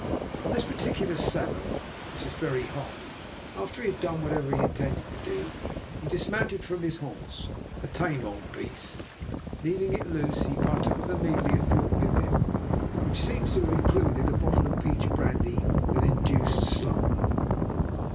On this particular Sabbath, which was very hot, after he had done whatever he intended to do, he dismounted from his horse, a tame old beast. Leaving it loose, he partook of the meal he had brought with him, which seems to have included a bottle of peach brandy that induced slumber.